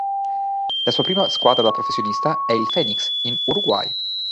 La sua prima squadra da professionista è il Fénix, in Uruguay.